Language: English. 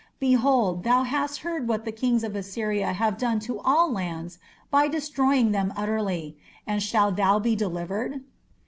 Behold, thou hast heard what the kings of Assyria have done to all lands by destroying them utterly; and shalt thou be delivered?